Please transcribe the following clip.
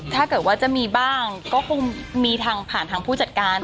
ถ้าเกิดว่าจะมีบ้างก็คงมีทางผ่านทางผู้จัดการ